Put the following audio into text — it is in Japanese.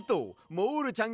モールちゃん。